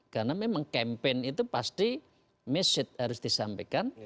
karena memang campaign itu pasti message harus disampaikan